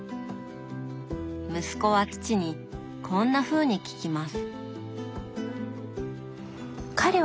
息子は父にこんなふうに聞きます。